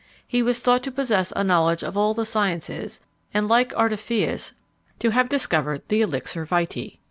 He was thought to possess a knowledge of all the sciences, and, like Artephius, to have discovered the elixir vitæ.